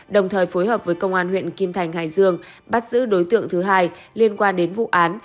đồng thời phối hợp với công an huyện kim thành hải dương bắt giữ đối tượng thứ hai liên quan đến vụ án